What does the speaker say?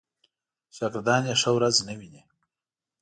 شاګردان یې ښه ورځ نه ویني.